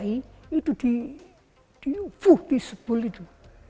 itu di sebul itu